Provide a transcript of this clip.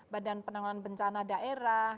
badan penanggungan bencana daerah